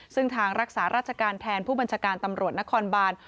ซึ่งทางรักษาราชการแทนผู้บัญชาการตำรวจนครบาน